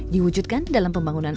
diwujudkan dalam pembangunan kinerja